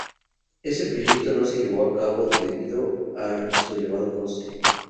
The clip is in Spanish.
Este proyecto no se llevó a cabo debido a su elevado coste.